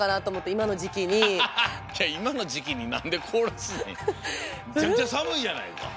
いまのじきになんでこおらすねん。めちゃめちゃさむいじゃないか。